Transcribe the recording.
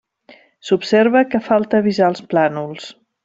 S'observa que falta visar els plànols.